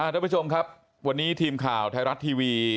ทุกผู้ชมครับวันนี้ทีมข่าวไทยรัฐทีวี